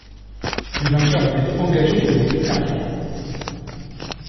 Les vainqueurs ont été engagés et ont fait carrière.